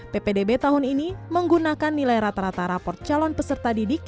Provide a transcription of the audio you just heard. ppdb tahun ini menggunakan nilai rata rata rapor calon peserta didik